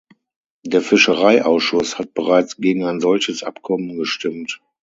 Der Fischereiausschuss hat bereits gegen ein solches Abkommen gestimmt.